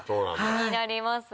気になりますね。